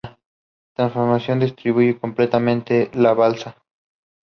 Restaurant Business credited Brown for the turnaround of the Arby’s business.